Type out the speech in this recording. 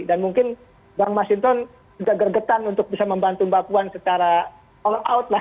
dan mungkin bang masinton juga gergetan untuk bisa membantu mbak puan secara all out lah